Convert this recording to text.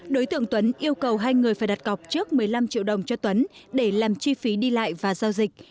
đối tượng tuấn yêu cầu hai người phải đặt cọc trước một mươi năm triệu đồng cho tuấn để làm chi phí đi lại và giao dịch